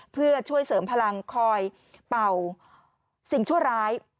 เพื่อช่วยเสริมพลังคอยเป่าสิ่งชั่วร้าย